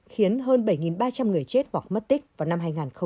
khiến hơn bảy ba trăm linh người chết hoặc mất tích vào năm hai nghìn một mươi bảy